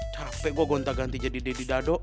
capek gue gonta ganti jadi deddy dado